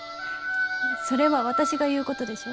それは私が言うことでしょ？